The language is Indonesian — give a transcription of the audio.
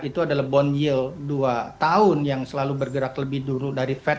itu adalah bond yield dua tahun yang selalu bergerak lebih dulu dari fed